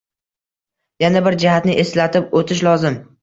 Yana bir jihatni eslatib o‘tish lozim.